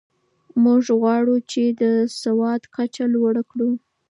موږ غواړو چې د سواد کچه لوړه کړو.